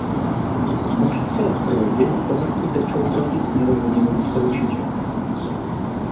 Mořské proudy na povrchu tečou proti směru hodinových ručiček.